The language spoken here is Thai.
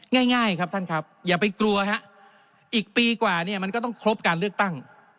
ง่ายครับท่านครับอย่าไปกลัวฮะอีกปีกว่าเนี่ยมันก็ต้องครบการเลือกตั้ง